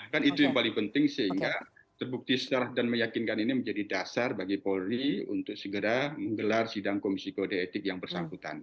kan itu yang paling penting sehingga terbukti secara dan meyakinkan ini menjadi dasar bagi polri untuk segera menggelar sidang komisi kode etik yang bersangkutan